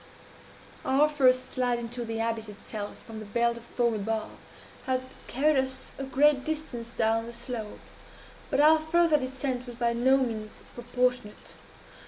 "Our first slide into the abyss itself, from the belt of foam above, had carried us to a great distance down the slope; but our farther descent was by no means proportionate.